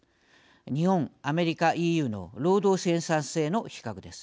日本、アメリカ、ＥＵの労働生産性の比較です。